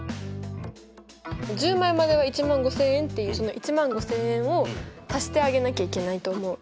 １０枚までは１５０００円っていうその１５０００円を足してあげなきゃいけないと思う。